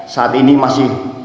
saat ini masih